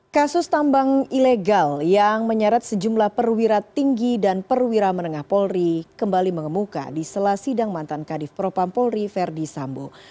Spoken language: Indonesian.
kasus tambang ilegal yang menyeret sejumlah perwira tinggi dan perwira menengah polri kembali mengemuka di sela sidang mantan kadif propam polri verdi sambo